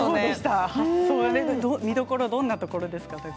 見どころどんなところですか。